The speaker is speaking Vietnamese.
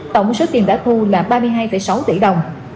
tổng số tiền đã thu là ba mươi hai sáu tỷ đồng